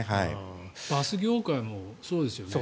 バス業界もそうですよね。